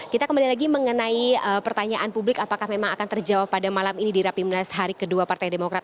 kita kembali lagi mengenai pertanyaan publik apakah memang akan terjawab pada malam ini di rapimnas hari kedua partai demokrat